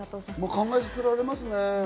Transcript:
考えさせられますね。